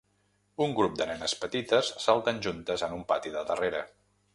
Un grup de nenes petites salten juntes en un pati de darrere.